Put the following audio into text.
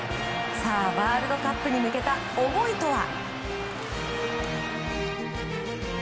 ワールドカップに向けた思いとは？